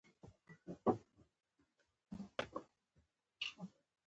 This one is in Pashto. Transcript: پوهېدی چي نور د نوي کور مقیم سو